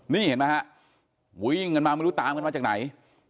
นี่เห็นไหมฮะวิ่งกันมาไม่รู้ตามกันมาจากไหน